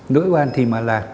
nỗi oan thì mà là